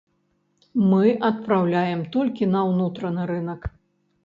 Мы адпраўляем толькі на ўнутраны рынак.